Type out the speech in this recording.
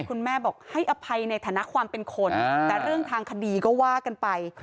คุณแม่บอกให้อภัยในฐานะความเป็นคนแต่เรื่องทางคดีก็ว่ากันไป